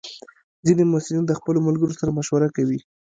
ځینې محصلین د خپلو ملګرو سره مشوره کوي.